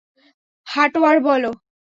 হাঁটো আর বল।